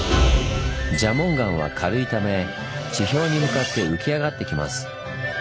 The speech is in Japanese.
蛇紋岩は軽いため地表に向かって浮き上がってきます。